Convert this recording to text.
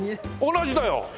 同じだよ。